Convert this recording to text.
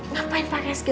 ngapain pak raka